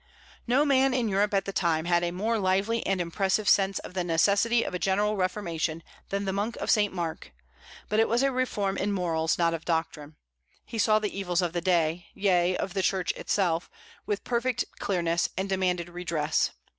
No man in Europe at the time had a more lively and impressive sense of the necessity of a general reformation than the monk of St. Mark; but it was a reform in morals, not of doctrine. He saw the evils of the day yea, of the Church itself with perfect clearness, and demanded redress.